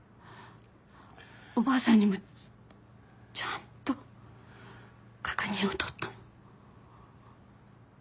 おばあさんにもちゃんと確認を取ったの。